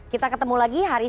kita ketemu lagi hari